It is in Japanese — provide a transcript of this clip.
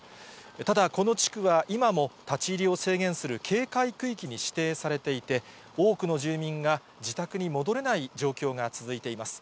ただ、この地区は今も立ち入りを制限する警戒区域に指定されていて、多くの住民が自宅に戻れない状況が続いています。